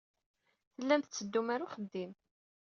Tellam tetteddum ɣer uxeddim.